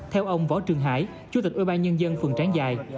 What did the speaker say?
theo ông võ trường hải chủ tịch ưu ban nhân dân phương tráng giài